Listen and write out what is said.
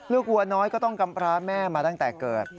วัวน้อยก็ต้องกำพร้าแม่มาตั้งแต่เกิด